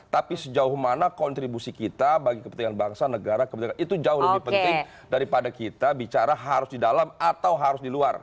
tapi sejauh mana kontribusi kita bagi kepentingan bangsa negara kepentingan itu jauh lebih penting daripada kita bicara harus di dalam atau harus di luar